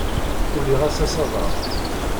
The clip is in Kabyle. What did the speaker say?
Uliɣ ass-a s adrar.